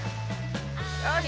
よし。